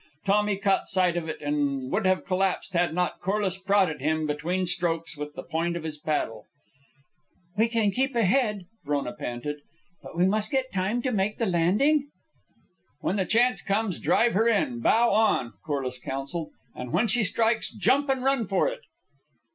Tommy caught sight of it, and would have collapsed had not Corliss prodded him, between strokes, with the point of his paddle. "We can keep ahead," Frona panted; "but we must get time to make the landing?" "When the chance comes, drive her in, bow on," Corliss counselled; "and when she strikes, jump and run for it."